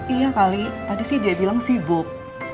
iya kali tadi sih dia bilang sibuk